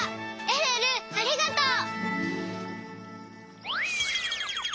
えるえるありがとう。